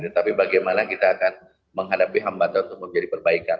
tapi bagaimana kita akan menghadapi hambatan untuk menjadi perbaikan